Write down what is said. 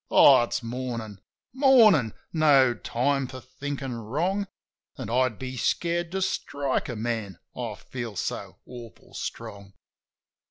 Oh, it's Mornin'! Mornin'! No time for thinkin' wrong. An' I'd be scared to strike a man, I feel so awful strong.